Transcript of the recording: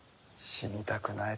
死にたくない？